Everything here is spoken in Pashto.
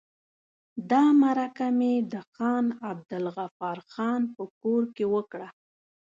دا مرکه مې د خان عبدالغفار خان په کور کې وکړه.